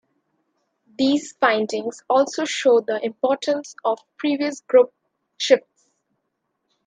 These findings also show the importance of previous group shifts.